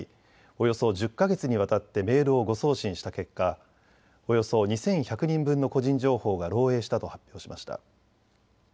およそ１０か月にわたってメールを誤送信した結果、およそ２１００人分の個人情報が漏えいしたと発表しました。